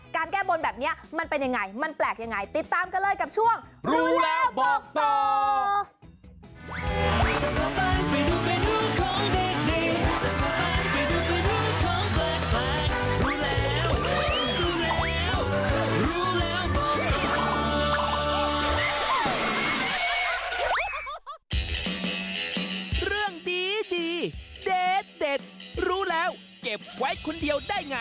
แก้บนแบบนี้มันเป็นยังไงมันแปลกยังไงติดตามกันเลยกับช่วงรู้แล้วบอกต่อ